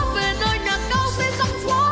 về nơi nàng cao dây dâng hoa